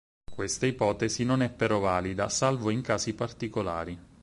Questa ipotesi non è però valida, salvo in casi particolari.